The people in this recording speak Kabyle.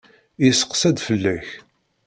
Yesseqsa-d fell-ak.